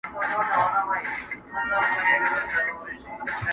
له رقیبه مي خنزیر جوړ کړ ته نه وې!